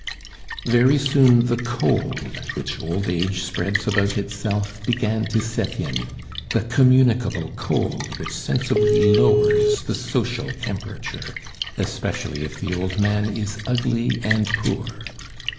Very soon the cold which old age spreads about itself began to set in; the communicable cold which sensibly lowers the social temperature, especially if the old man is ugly and poor.